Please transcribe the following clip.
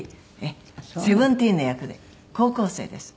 セブンティーンの役で高校生です。